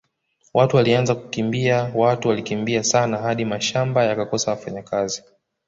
Watu walianza kukimbia watu walikimbia sana hadi mashamba yakakosa wafanyakazi